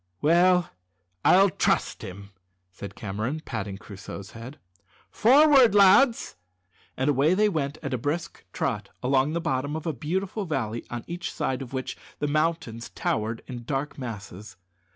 "Well, I'll trust him," said Cameron, patting Crusoe's head. "Forward, lads!" and away they went at a brisk trot along the bottom of a beautiful valley on each side of which the mountains towered in dark masses.